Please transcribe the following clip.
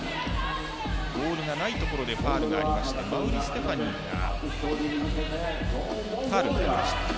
ボールがないところでファウルになりまして馬瓜ステファニーがファウルになりました。